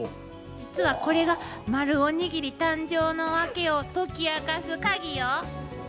実はこれが丸おにぎり誕生のワケを解き明かす鍵よ。